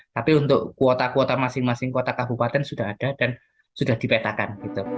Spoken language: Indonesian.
tapi untuk kuota kuota masing masing kota kabupaten sudah ada dan sudah dipetakan